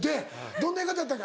どんな言い方やっけ？